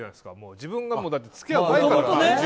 自分が付き合う前から。